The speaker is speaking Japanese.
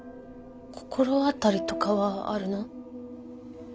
心当たりとかはあるの？